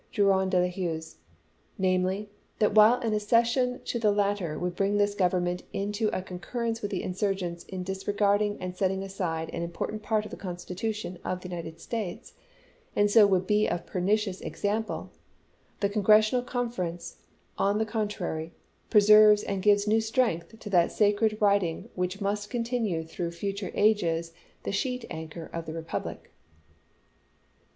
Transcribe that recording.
Drouyn de I'Huys, namely, that while an accession to the latter would bring this Grovernment into a concurrence with the insm'gents in disregarding and setting aside an important part of the Constitution of the United States, and so would be of pernicious ex ample, the Congressional conference, on the con trary, preserves and gives new strength to that sacred writing which must continue through future ages the sheet anchor of the republic."